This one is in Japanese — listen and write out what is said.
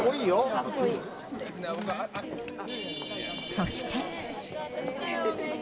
そして。